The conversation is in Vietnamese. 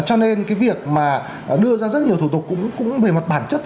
cho nên cái việc mà đưa ra rất nhiều thủ tục cũng về mặt bản chất